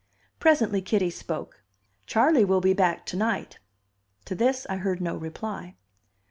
Presently Kitty spoke. "Charley will be back to night." To this I heard no reply.